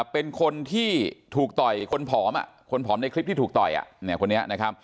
เป็นคนที่ถูกต่อยคนผอมในคลิปที่ถูกต่อย